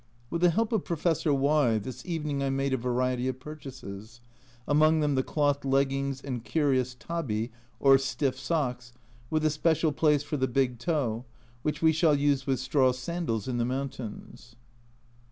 With the help of Professor Y this evening I made a variety of purchases, among them the cloth leggings and curious tabi or stiff socks, with a special place for the big toe, which we shall use with straw sandals in the mountains.